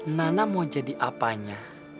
nanda mau jadi apanya